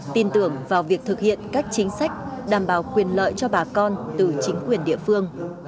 tin tưởng vào việc thực hiện các chính sách đảm bảo quyền lợi cho bà con từ chính quyền địa phương